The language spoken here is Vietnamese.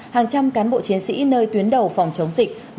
hàng trăm cán bộ chiến sĩ nơi tuyến đầu phòng chống dịch